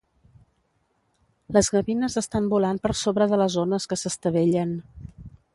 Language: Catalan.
Les gavines estan volant per sobre de les ones que s'estavellen.